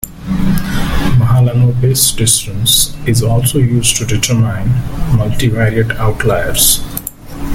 Mahalanobis distance is also used to determine multivariate outliers.